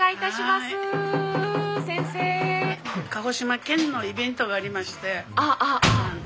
鹿児島県のイベントがありまして。